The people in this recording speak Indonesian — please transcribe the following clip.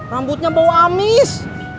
rambutnya bau amis